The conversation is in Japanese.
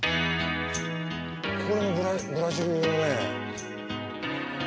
このブラジルのね。